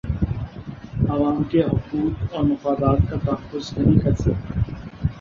عوام کے حقوق اور مفادات کا تحفظ نہیں کر سکتا